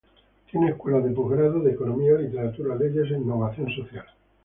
Tiene escuelas de posgrado de Economía, Literatura, Leyes e Innovación social.